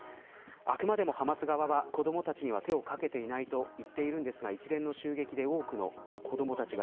あくまでもハマス側は子どもたちには手をかけていないと言っているんですが一連の襲撃で多くの子どもたちが